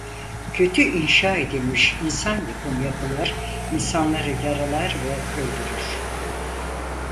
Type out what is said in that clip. Kötü inşa edilmiş insan yapımı yapılar insanları yaralar ve öldürür.